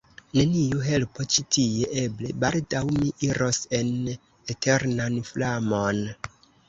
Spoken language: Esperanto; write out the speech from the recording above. neniu helpo ĉi tie: eble baldaŭ mi iros en eternan flamon.